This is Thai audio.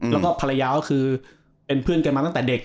แล้วก็ภรรยาก็คือเป็นเพื่อนกันมาตั้งแต่เด็ก